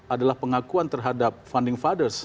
adalah pengakuan terhadap funding fathers